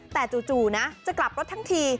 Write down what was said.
แต่จู่นะจะกลับรถทั้งที